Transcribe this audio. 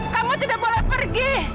kamu tidak boleh pergi